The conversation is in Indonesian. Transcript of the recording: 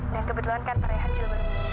dan kebetulan kan perayaan juga baru meninggal